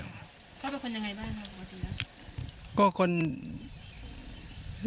เข้าไปเป็นคนยังไงบ้างครับ